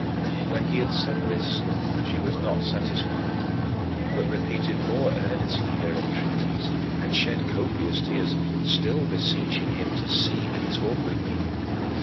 When he had said this she was not satisfied, but repeated more earnestly her entreaties, and shed copious tears, still beseeching him to see and talk with me.